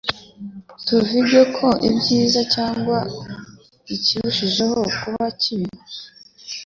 Tuvuge ko ibyiza, cyangwa ikirushijeho kuba kibi,